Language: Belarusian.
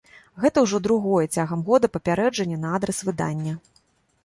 Гэта ўжо другое цягам года папярэджанне на адрас выдання.